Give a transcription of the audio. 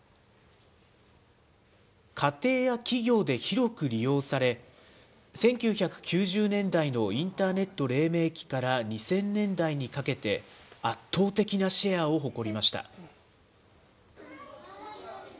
家庭や企業で広く利用され、１９９０年代のインターネットれい明期から２０００年代にかけて、圧倒的なシェアを誇りました。